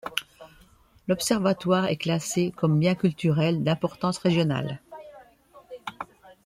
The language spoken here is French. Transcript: L'observatoire est classé comme bien culturel d'importance régionale.